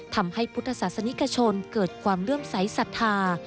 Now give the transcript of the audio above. ทำให้พุทธศาสนิกชนเกิดความเลื่อมใสสัทธา